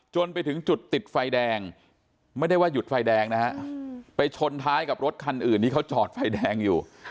จนไปถึงจุดติดไฟแดงไม่ได้ว่าหยุดไฟแดงนะฮะไปชนท้ายกับรถคันอื่นที่เขาจอดไฟแดงอยู่